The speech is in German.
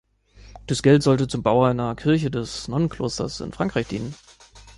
Das Geld sollte zum Bau einer Kirche des Nonnenklosters in Frankreich dienen.